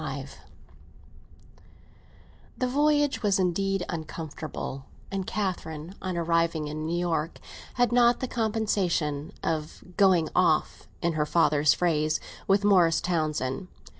XXV THE voyage was indeed uncomfortable, and Catherine, on arriving in New York, had not the compensation of "going off," in her father's phrase, with Morris Townsend.